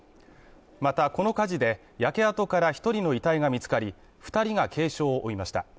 またこの火事で焼け跡から１人の遺体が見つかり、２人が軽傷を負いました。